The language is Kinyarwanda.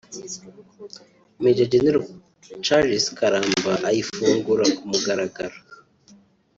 Maj Gen Charles Karamba ayifungura ku mugaragaro